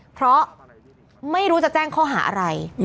เพราะไม่รู้จะแจ้งข้อหาอะไร